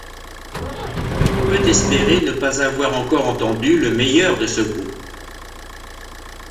On peut espérer ne pas avoir encore entendu le meilleur de ce groupe.